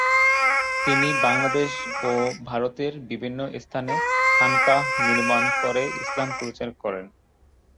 তিনি বাংলাদেশ ও ভারতের বিভিন্ন স্থানে খানকাহ নির্মাণ করে ইসলাম প্রচার করেন।